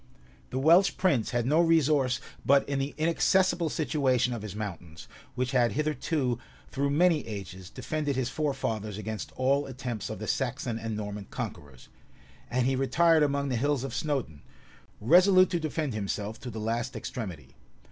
The Welsh prince had no resource but in the inaccessible situation of his mountains, which had hitherto, through many ages, defended his forefathers against all attempts of the Saxon and Norman conquerors; and he retired among the hills of Snowdun, resolute to defend himself to the last extremity.